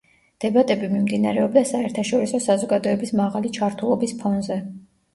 დებატები მიმდინარეობდა საერთაშორისო საზოგადოების მაღალი ჩართულობის ფონზე.